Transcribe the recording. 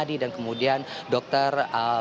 dan kemudian dr